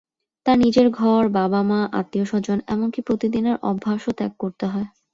তাঁর নিজের ঘর, বাবা-মা, আত্মীয়স্বজন এমনকি প্রতিদিনের অভ্যাসও ত্যাগ করতে হয়।